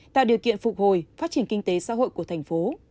tạo điều kiện phục hồi phát triển kinh tế xã hội của thành phố